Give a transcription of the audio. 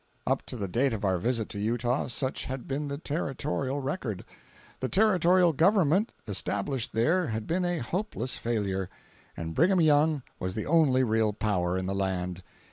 Up to the date of our visit to Utah, such had been the Territorial record. The Territorial government established there had been a hopeless failure, and Brigham Young was the only real power in the land.